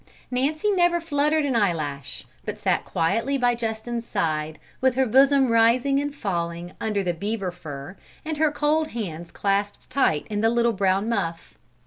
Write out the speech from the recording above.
Nancy never fluttered an eyelash, but sat quietly by Justin's side with her bosom rising and falling under the beaver fur and her cold hands clasped tight in the little brown muff.